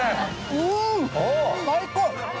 うーん、最高！